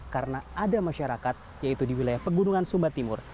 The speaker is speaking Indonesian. karena ada masyarakat yaitu di wilayah pegunungan sumba timur